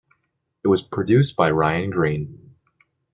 It was produced by Ryan Greene.